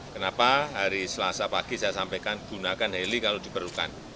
kenapa hari selasa pagi saya sampaikan gunakan heli kalau diperlukan